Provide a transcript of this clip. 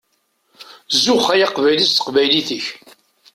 Zuxx ay Aqbayli s teqbaylit-ik!